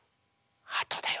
はとだよ